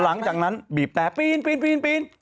หลังจากนั้นบีบแต่ปีนปีน